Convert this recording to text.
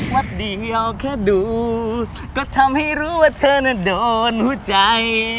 แป๊บเดียวแค่ดูก็ทำให้รู้ว่าเธอน่ะโดนหัวใจ